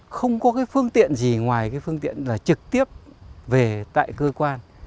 không có cái phương tiện gì ngoài cái phương tiện là trực tiếp về tại cơ quan